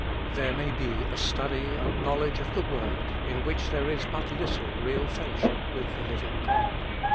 There may be a study and knowledge of the Word, in which there is but little real fellowship with the living God.